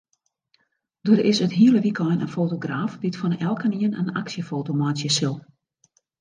Der is it hiele wykein in fotograaf dy't fan elkenien in aksjefoto meitsje sil.